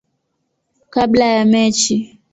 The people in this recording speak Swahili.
kabla ya mechi.